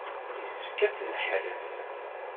Yessefk ad t-neḥrez.